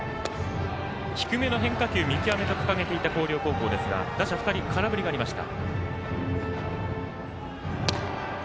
低めの変化球、見極めと掲げていた広陵高校ですが打者２人、空振りがありました。